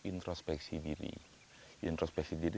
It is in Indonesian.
introspeksi diri introspeksi diri